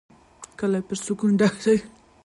کلی پر سکون ډک شو.